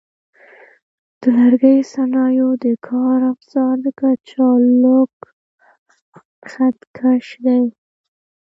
د لرګي د صنایعو د کار افزار کچالک خط کش دی.